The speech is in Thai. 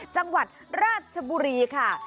จังหวัดราชบุรีค่ะ